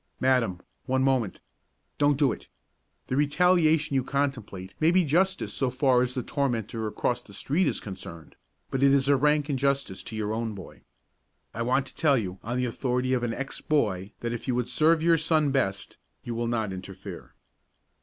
Madam, one moment! Don't do it. The retaliation you contemplate may be justice so far as the tormentor across the street is concerned, but it is a rank injustice to your own boy. I want to tell you on the authority of an ex boy that if you would serve your son best, you will not interfere.